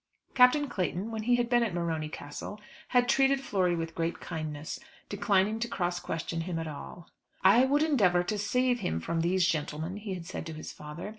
Captain Clayton, when he had been at Morony Castle, had treated Flory with great kindness, declining to cross question him at all. "I would endeavour to save him from these gentlemen," he had said to his father.